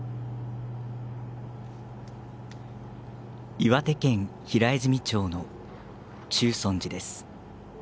岩手県平泉町の中尊寺です。